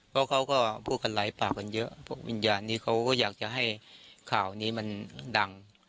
เพราะเขาก็พูดกันหลายปากกันเยอะพวกวิญญาณนี้เขาก็อยากจะให้ข่าวนี้มันดัง